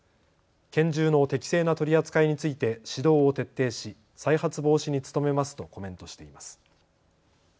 拳銃の適正な取り扱いについて指導を徹底し再発防止に努めますとコメントしています。